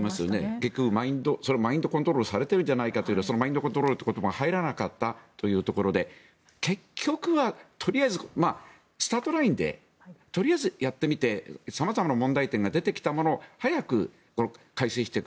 結局マインドコントロールされているじゃないかということでそのマインドコントロールという言葉が入らなかったというところで結局はとりあえずスタートラインでとりあえずやってみて様々な問題点が出てきたものを早く改善していく。